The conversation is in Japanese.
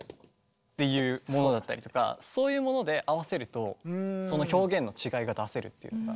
っていうものだったりとかそういうもので合わせるとその表現の違いが出せるっていうのが。